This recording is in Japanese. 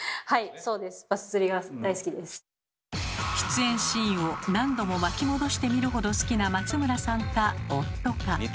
出演シーンを何度も巻き戻して見るほど好きな松村さんか夫か。